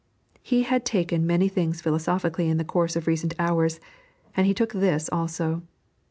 He had taken many things philosophically in the course of recent hours, and he took this also.